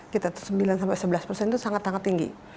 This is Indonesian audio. kita tuh sembilan sebelas persen itu sangat sangat tinggi